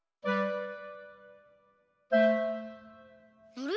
あれ？